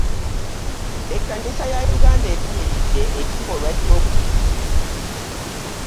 Ekkanisa ya Uganda evumiride ekikolwa ky'obutujju.